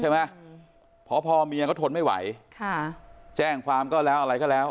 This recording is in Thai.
ใช่ไหมพอพอเมียเขาทนไม่ไหวค่ะแจ้งความก็แล้วอะไรก็แล้ว